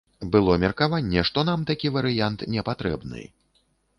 Было меркаванне, што нам такі варыянт не патрэбны.